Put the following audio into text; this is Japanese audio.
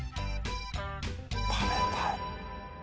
食べたい。